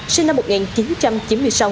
sinh năm một nghìn chín trăm chín mươi sáu